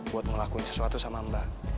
buat ngelakuin sesuatu sama mbak